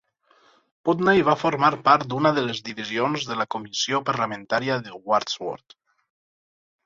Putney va formar part d'una de les divisions de la comissió parlamentària de Wandsworth